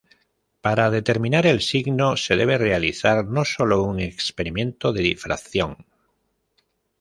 Para determinar el signo se debe realizar no sólo un experimento de difracción.